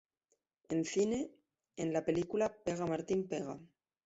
En cine, en la película "¡Pega, Martín, pega!